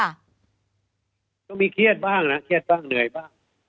ก็มีเครียดบ้างนะเครียดบ้างเหนื่อยบ้าง